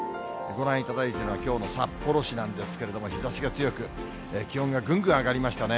ご覧いただいているのは、きょうの札幌市なんですけれども、日ざしが強く、気温がぐんぐん上がりましたね。